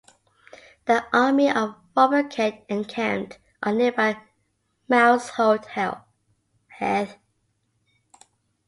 The army of Robert Kett encamped on nearby Mousehold Heath.